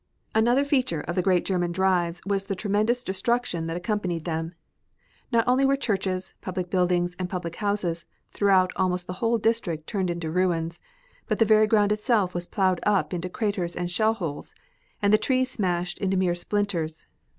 Another feature of the great German drives was the tremendous destruction that accompanied them. Not only were churches, public buildings, and private houses throughout almost the whole district turned into ruins, but the very ground itself was plowed up into craters and shell holes, and the trees smashed into mere splinters.